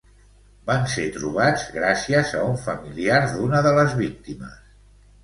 Van ser trobats gràcies a un familiar d'una de les víctimes.